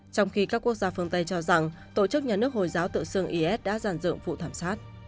trong khi các quốc gia phương tây cho rằng tổ chức nhà nước hồi giáo tự xưng is đã giàn dựng vụ thảm sát